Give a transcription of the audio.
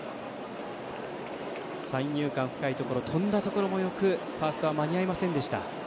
三遊間、高いところ飛んだところもよくファーストは間に合いませんでした。